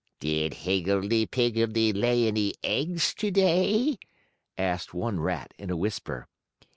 "Did Higgledee Piggledee lay any eggs today?" asked one rat, in a whisper.